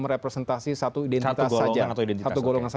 merepresentasi satu identitas saja satu golongan satu